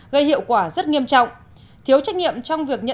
gây hiệu quả rất lớn